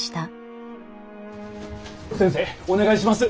先生お願いします。